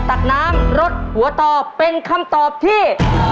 ตักน้ำรสหัวต่อเป็นคำตอบที่